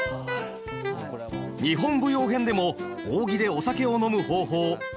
日本舞踊編でも扇でお酒を飲む方法学びましたよね。